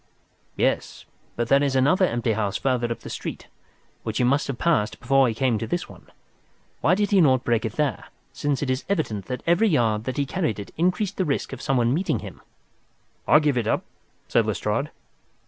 "Yes, but there is another empty house farther up the street which he must have passed before he came to this one. Why did he not break it there, since it is evident that every yard that he carried it increased the risk of someone meeting him?" "I give it up," said Lestrade.